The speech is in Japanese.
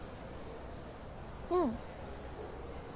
うん